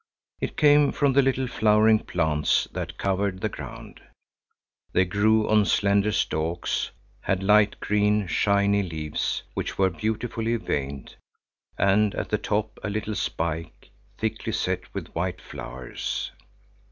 It came from the little flowering plants that covered the ground. They grew on slender stalks, had light green, shiny leaves, which were beautifully veined, and at the top a little spike, thickly set with white flowers.